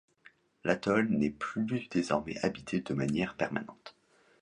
L'atoll n'est plus désormais habité de manière permanente.